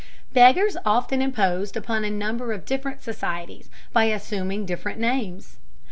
Beggars often imposed upon a number of different societies by assuming different names.